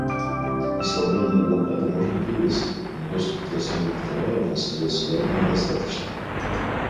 Ослабление блокады можно приветствовать, но доступ для основных товаров остается явно недостаточным.